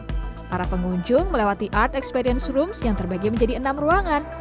para pengunjung melewati art experience rooms yang terbagi menjadi enam ruangan